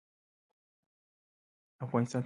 افغانستان تر هغو نه ابادیږي، ترڅو سایبري امنیت ټینګ نشي.